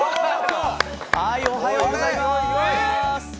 おはようございまーす！